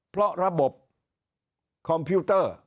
เพราะระบบคอมพิวเตอร์